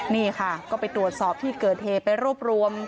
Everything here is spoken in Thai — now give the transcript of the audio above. นี่ค่ะก็ไปตรวจสอบที่เกิดเหตุไปรวบรวม